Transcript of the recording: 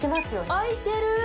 あいてる！